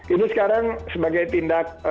ini sekarang sebagai tindak